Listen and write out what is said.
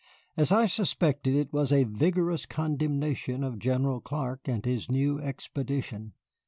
As I suspected, it was a vigorous condemnation of General Clark and his new expedition.